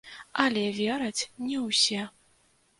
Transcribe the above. Але вераць не ўсе.